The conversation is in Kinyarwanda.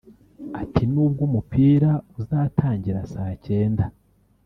Ati “Nubwo umupira uzatangira saa cyenda